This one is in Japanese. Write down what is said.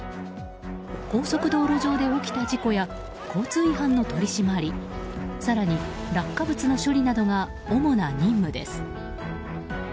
高速道路上で起きた事故や交通違反の取り締まり更に、落下物の処理などが主な任務です。